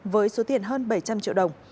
với số tiền hơn bảy trăm linh triệu đồng